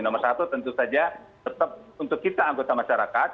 nomor satu tentu saja tetap untuk kita anggota masyarakat